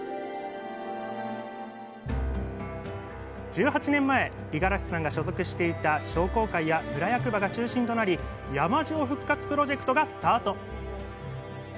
１８年前五十嵐さんが所属していた商工会や村役場が中心となり山塩復活プロジェクトがスタート